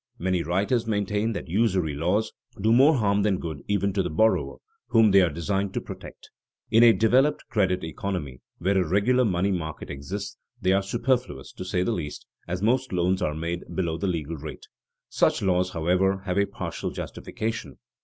Many writers maintain that usury laws do more harm than good even to the borrower, whom they are designed to protect. In a developed credit economy, where a regular money market exists, they are superfluous, to say the least, as most loans are made below the legal rate. Such laws, however, have a partial justification.